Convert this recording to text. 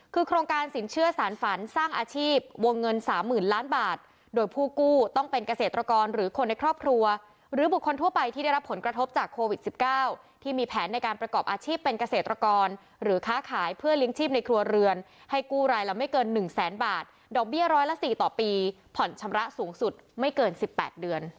คือโครงการสินเชื่อสารฝันสร้างอาชีพวงเงินสามหมื่นล้านบาทโดยผู้กู้ต้องเป็นเกษตรกรหรือคนในครอบครัวหรือบุคคลทั่วไปที่ได้รับผลกระทบจากโควิดสิบเก้าที่มีแผนในการประกอบอาชีพเป็นเกษตรกรหรือค้าขายเพื่อลิงก์ชีพในครัวเรือนให้กู้รายละไม่เกินหนึ่งแสนบาทดอกเบี้ยร้อยละสี่ต่อ